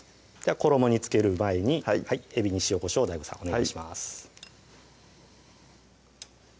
衣に付ける前にえびに塩・こしょうをＤＡＩＧＯさんお願いします